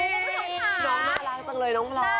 น้องน่ารักจังเลยน้องพลอย